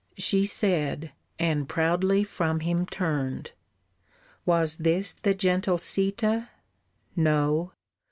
She said and proudly from him turned, Was this the gentle Sîta? No.